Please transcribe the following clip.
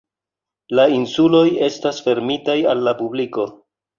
La insuloj estas fermitaj al la publiko.